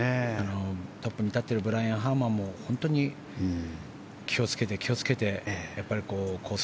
トップに立っているブライアン・ハーマンも本当に気をつけて、気をつけてコース